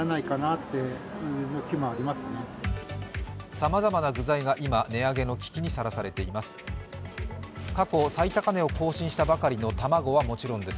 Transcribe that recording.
さまざまな具材が今、値上げの危機にさらされています。